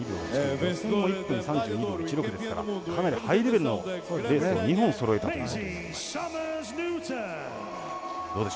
予選は１分３２秒１６ですからかなり、ハイレベルのレースを２本そろえたということになります。